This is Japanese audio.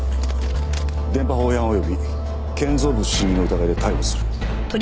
電波法違反及び建造物侵入の疑いで逮捕する。